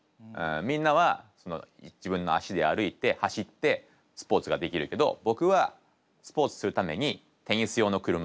みんなは自分の足で歩いて走ってスポーツができるけど僕はスポーツするためにテニス用の車いすが必要。